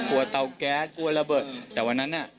เตาแก๊สกลัวระเบิดแต่วันนั้นน่ะ